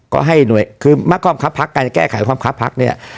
ก็ให้หน่วยคือมากความคับพักการจะแก้ไขความคับพักเนี่ย